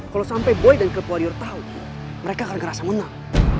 kalo sampe boy dan geng warrior tau mereka akan ngerasa menang